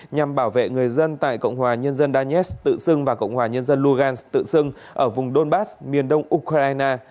nhằm bảo vệ người dân tại cộng hòa nhân dân danets tự xưng và cộng hòa nhân dân logan tự xưng ở vùng donbass miền đông ukraine